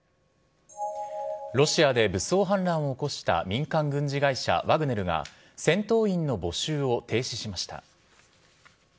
ロシアで武装反乱を起こした、民間軍事会社ワグネルが、戦闘員の募集を停止しました。